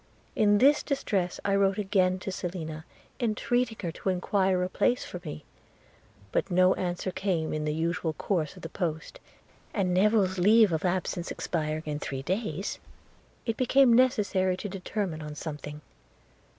In this distress I wrote again to Selina, entreating her to enquire for a place for me; but no answer came in the usual course of the post, and Newill's leave of absence expiring in three days, it became necessary to determine on something.